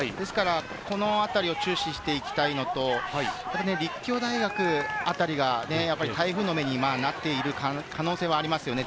このあたりを注視していきたいのと、立教大学あたりが台風の目になっている可能性はありますね。